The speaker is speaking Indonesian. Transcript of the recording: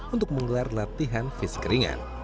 untuk menggelar latihan fisik ringan